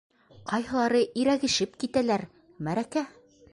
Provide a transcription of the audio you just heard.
Ҡайһылары ирәгешеп китәләр, мәрәкә!